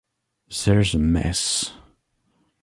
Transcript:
There’s a mess!